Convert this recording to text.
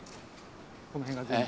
この辺が全部。